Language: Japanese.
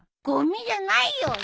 ごみじゃないよ！